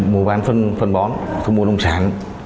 mùa bán phân bón thu mua nông sản